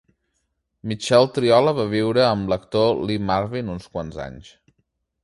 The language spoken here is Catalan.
Michelle Triola va viure amb l'actor Lee Marvin uns quants anys.